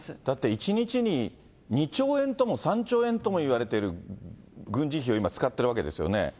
だって、１日に２兆円とも３兆円ともいわれている軍事費を今使っているわけですよね。